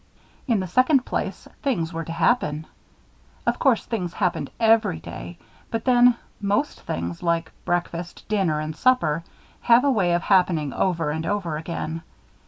In the second place, things were to happen. Of course, things happened every day; but then, most things, like breakfast, dinner, and supper, have a way of happening over and over again.